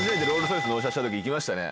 納車した時行きましたね。